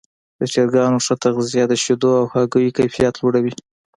د چرګانو ښه تغذیه د شیدو او هګیو کیفیت لوړوي.